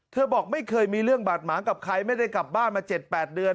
บอกไม่เคยมีเรื่องบาดหมางกับใครไม่ได้กลับบ้านมา๗๘เดือน